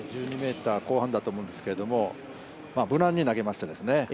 １２ｍ後半だと思うんですけれども、無難に投げましたね。